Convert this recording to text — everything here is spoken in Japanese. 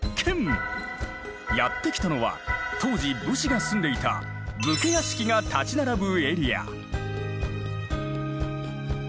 やって来たのは当時武士が住んでいた武家屋敷が立ち並ぶエリア。